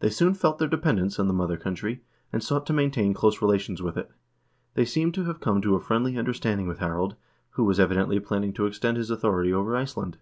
They soon felt their dependence on the mother country, and sought to maintain close relations with it. They seem to have come to a friendly understanding with Harald, who was, evidently, planning to extend his authority over Iceland.